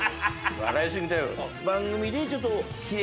笑い過ぎだよ。